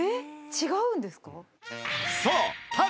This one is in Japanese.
違うんですか？